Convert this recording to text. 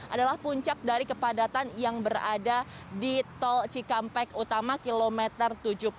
adalah puncak dari kepadatan yang berada di tol cikampek utama kilometer tujuh puluh